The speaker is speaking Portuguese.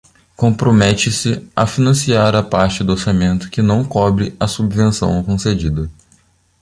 Compromete-se a financiar a parte do orçamento que não cobre a subvenção concedida.